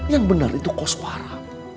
yang benar itu kos para